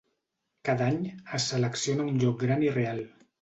Cada any, es selecciona un lloc gran i real.